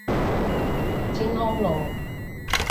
青康路